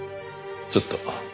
ちょっと。